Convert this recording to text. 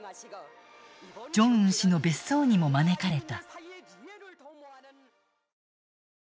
ジョンウン氏の別荘にも招かれた。